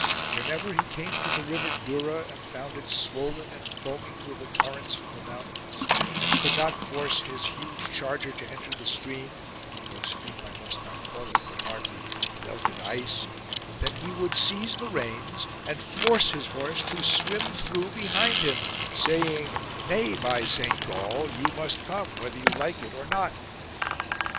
Whenever he came to the river Dura and found it swollen and foaming with the torrents from the mountains, and could not force his huge charger to enter the stream (though stream I must not call it, but hardly melted ice), then he would seize the reins and force his horse to swim through behind him, saying :" Nay, by Saint Gall, you must come, whether you like it or not